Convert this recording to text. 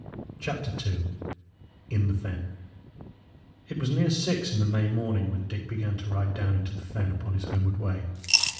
CHAPTER II IN THE FEN It was near six in the May morning when Dick began to ride down into the fen upon his homeward way.